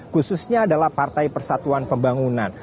khususnya adalah partai persatuan pembangunan